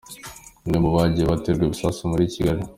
Hamwe mu hagiye haterwa ibisasu muri Kigali